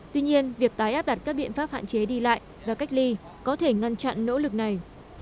tuy nhiên việc tái áp đặt các biện pháp hạn chế đi lại và cách ly có thể ngăn chặn nỗ lực này